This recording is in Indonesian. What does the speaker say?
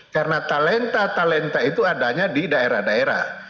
karena talenta talenta itu adanya di daerah daerah